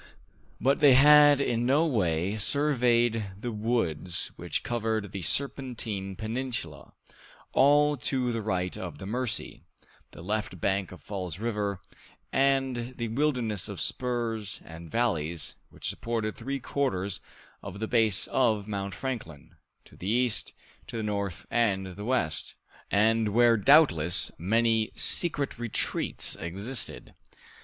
But they had in no way surveyed the woods which covered the Serpentine Peninsula, all to the right of the Mercy, the left bank of Falls River, and the wilderness of spurs and valleys which supported three quarters of the base of Mount Franklin, to the east, the north, and the west, and where doubtless many secret retreats existed.